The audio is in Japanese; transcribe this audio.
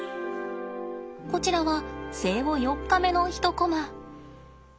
こちらは生後４日目の一コマ。